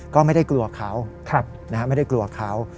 ก็ไม่ได้กลัวเขาไม่ได้กลัวเขา